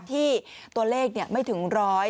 ที่ตัวเลขไม่ถึง๑๐๐